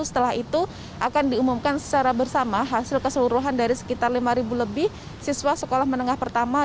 setelah itu akan diumumkan secara bersama hasil keseluruhan dari sekitar lima lebih siswa sekolah menengah pertama